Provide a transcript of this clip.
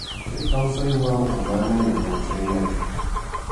Chay kawsaywanqa manañam kawsayñachu.